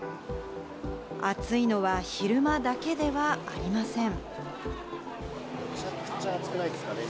暑いのは昼間だけではありません。